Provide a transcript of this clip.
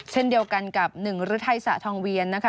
เช่นเดียวกันกับหนึ่งฤทัยสะทองเวียนนะคะ